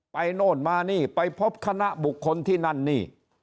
โน่นมานี่ไปพบคณะบุคคลที่นั่นนี่